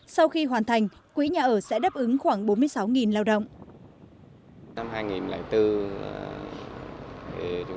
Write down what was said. sau khi hoàn thành quỹ nhà ở sẽ đáp ứng khoảng bốn mươi sáu lao động